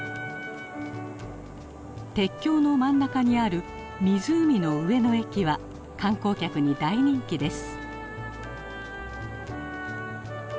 鉄橋の真ん中にある湖の上の駅は観光客に大人気です。